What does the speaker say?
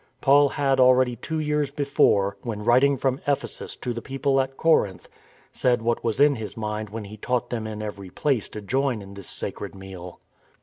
Paul had already two years before, when writ ing from Ephesus to the people at Corinth, said what was in his mind when he taught them in every place to join in this sacred meal.